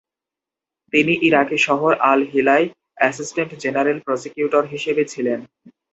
তিনি ইরাকি শহর আল-হিলায় অ্যাসিস্টেন্ট জেনারেল প্রসিকিউটর হিসেবে ছিলেন।